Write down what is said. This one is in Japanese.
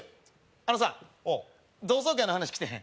あのさ同窓会の話来てへん？